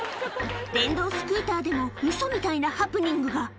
電動スクーターでもウソみたいなハプニングが。